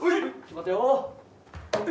待てよ。